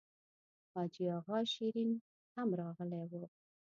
حاجي اغا شېرین هم راغلی و.